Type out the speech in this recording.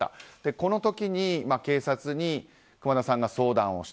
この時に警察に熊田さんが相談をした。